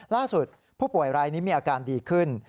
ล่าสุดผู้ป่วยรายนี้มีอาการดีขึ้น